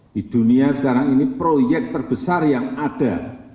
di dunia sekarang ini proyek terbesar yang ada